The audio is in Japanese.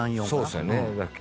そうですよね。